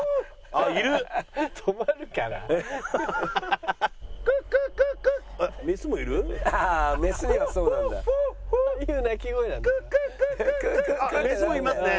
あっメスもいますね。